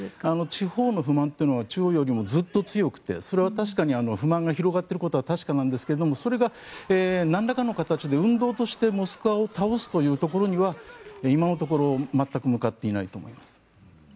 地方の不満というのは中央よりもずっと強くてそれは不満が広がっていることは確かですがそれがなんらかの形で運動としてモスクワを倒すというところには今のところ全く向かっていないと思います。